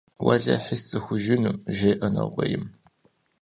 – Уэлэхьи сцӀыхужынум, – жеӀэ нэгъуейм.